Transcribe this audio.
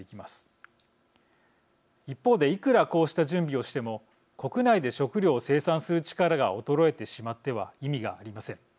一方でいくらこうした準備をしても国内で食料を生産する力が衰えてしまっては意味がありません。